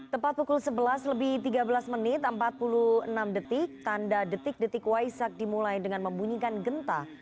tepat pukul sebelas lebih tiga belas menit empat puluh enam detik tanda detik detik waisak dimulai dengan membunyikan genta